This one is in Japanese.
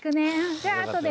じゃああとでね。